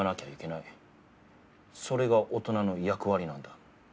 それが大人の役割なんだ。